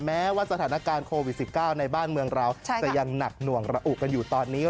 แม้ว่าสถานการณ์โควิด๑๙ในบ้านเมืองเราจะยังหนักหน่วงระอุกันอยู่ตอนนี้